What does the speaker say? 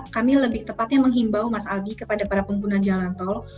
kami lebih tepatnya menghimbau mas albi kepada para pengguna jalan tol